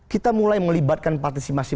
kita mulai melibatkan partisipasi